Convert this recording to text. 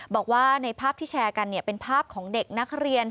บอกว่าในภาพที่แชร์กันเป็นภาพของเด็กนักเรียน